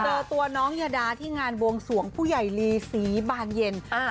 เจอตัวน้องยาดาที่งานบวงสวงผู้ใหญ่ลีศรีบานเย็น